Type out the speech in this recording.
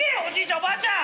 おばあちゃん